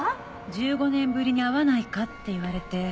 １５年ぶりに会わないかって言われて。